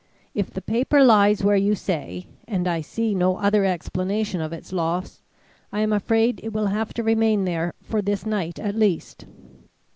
If the paper lies where you say, and I see no other explanation of its loss, I am afraid it will have to remain there for this night at least.